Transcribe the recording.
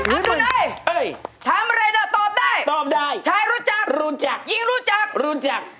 อับดุนเอ้ยทำอะไรเนี่ยตอบได้ตอบได้ชายรู้จักรู้จักหญิงรู้จักรู้จัก